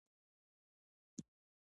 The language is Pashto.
ډیوډرنټ د پوستکي د باکتریاوو ضد کار کوي.